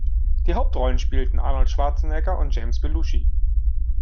Die Hauptrollen spielten Arnold Schwarzenegger und James Belushi.